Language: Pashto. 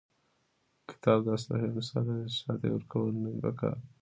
کتاب د اسلحې مثال لري، چي چا ته ئې ورکول نه دي په کار.